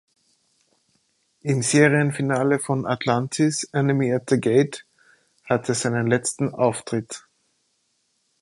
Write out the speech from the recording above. Im Serienfinale von „Atlantis“, „Enemy at the Gate“, hatte er seinen letzten Auftritt.